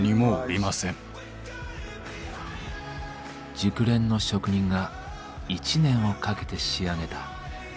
熟練の職人が１年をかけて仕上げた最高傑作。